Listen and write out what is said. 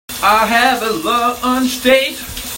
I have a lunch date.